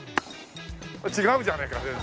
違うじゃねえか全然。